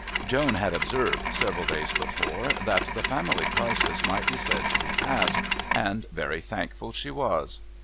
Joan had observed, several days before, that the family crisis might be said to be past, and very thankful she was.